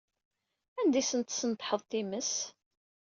Anda ay asent-tesnedḥeḍ times?